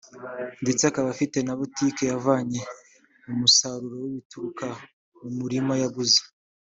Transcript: ndetse akaba afite na butike yavanye mu musaruro w’ibituruka mu murima yaguze